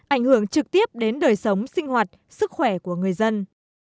ảnh hưởng trực tiếp đến đời sống sinh hoạt sức khỏe của người dân